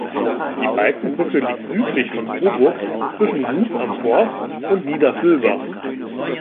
Die Balkenbrücke liegt südlich von Coburg zwischen Grub am Forst und Niederfüllbach.